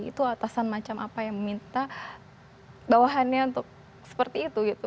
itu atasan macam apa yang meminta bawahannya untuk seperti itu gitu